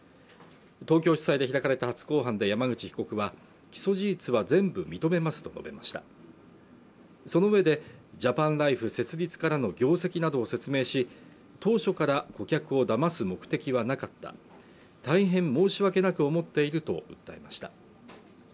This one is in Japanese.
東京地裁で開かれた初公判で山口被告は起訴事実は全部認めますと述べましたそのうえでジャパンライフ設立からの業績などを説明し当初から顧客を騙す目的はなかった大変申し訳なく思っていると訴えました